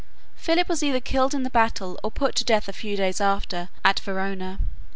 Philip was either killed in the battle, or put to death a few days afterwards at Verona.